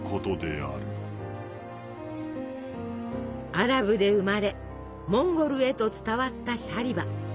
アラブで生まれモンゴルへと伝わったシャリバ。